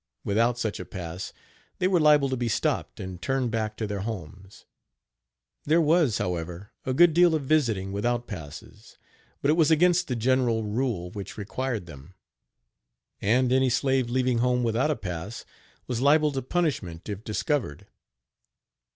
Without such a pass they were liable to be stopped and turned back to their homes. There was, however, a good deal of visiting without passes, but it was against the general rule which required them; and any slave leaving home without a pass was liable to punishment if discovered.